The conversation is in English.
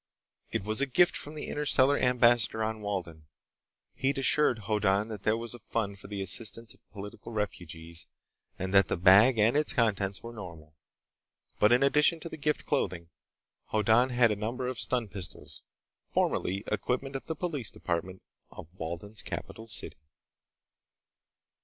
It was a gift from the Interstellar Ambassador on Walden. He'd assured Hoddan that there was a fund for the assistance of political refugees, and that the bag and its contents was normal. But in addition to the gift clothing, Hoddan had a number of stun pistols, formerly equipment of the police department of Walden's capital city.